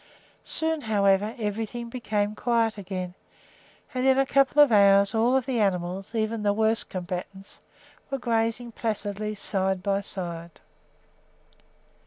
Soon, however, everything became quiet again, and in a couple of hours all of the animals, even the worst combatants, were grazing placidly side by side.